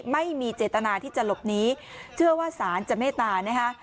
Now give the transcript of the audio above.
ไม่มีเจตนาที่จะหลบหนีเชื่อว่าศาลจะเมตตานะคะ